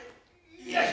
よし。